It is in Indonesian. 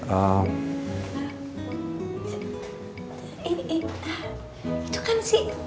itu kan si